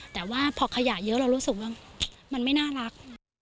แต่ว่าพอขยะเยอะเรารู้สึกว่ามันไม่น่ารัก